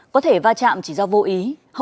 có thể va chạm chỉ do vô ý